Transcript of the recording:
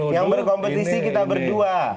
ini adalah kompetisi kita berdua